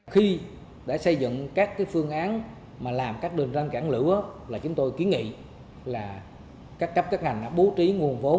khi đã xây dựng các phương án làm các đường răng cản lửa chúng tôi ký nghị các cấp các ngành bố trí nguồn vụ cháy lan